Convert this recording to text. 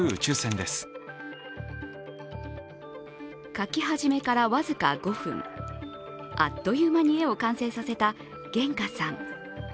描き始めから僅か５分、あっという間に絵を完成させた阮佳さん。